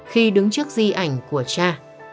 khi đứng trước di ảnh của cha